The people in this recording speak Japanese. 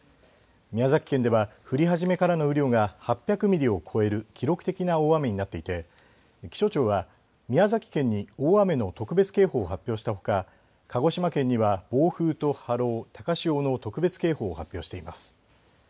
宮崎県では降り始めからの雨量が８００ミリを超える記録的な大雨になっていて気象庁は宮崎県に大雨の特別警報を発表したほか鹿児島県には暴風と波浪、高潮の特別警報を発表しています。